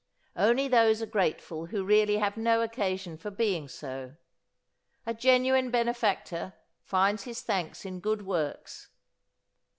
Only those are grateful who really have no occasion for being so. A genuine benefactor finds his thanks in good works.